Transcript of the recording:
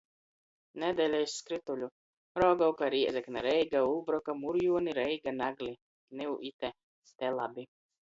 Nedeļa iz skrytuļu: Rogovka-Rēzekne-Reiga-Ulbroka-Murjuoni-Reiga-Nagli. Niu ite. Te labi.